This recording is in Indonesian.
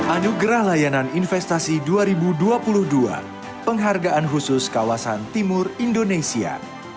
anugerah layanan investasi dua ribu dua puluh dua penghargaan khusus kawasan timur indonesia